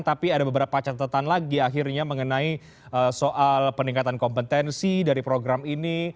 tapi ada beberapa catatan lagi akhirnya mengenai soal peningkatan kompetensi dari program ini